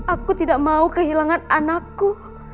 aku tidak mau kehilangan anakku